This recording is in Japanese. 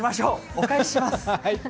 お返しします。